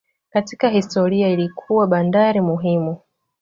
Katika historia ilikuwa bandari muhimu.